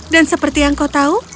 dan seperti yang kau tahu